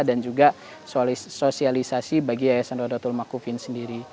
dan juga sosialisasi bagi yayasan roda tulma kuvina